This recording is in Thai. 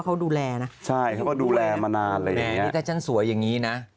เขาไม่